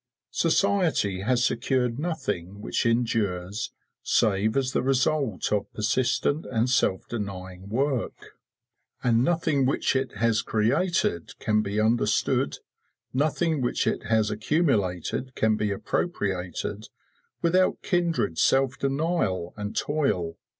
Society has secured nothing which endures save as the result of persistent and self denying work; and nothing which it has created can be understood, nothing which it has accumulated can be appropriated, without kindred self denial and toil.